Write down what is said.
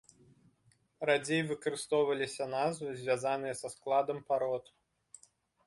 Радзей выкарыстоўваліся назвы, звязаныя са складам парод.